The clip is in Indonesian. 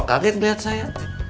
kamu kenapa kaget ngelihat saya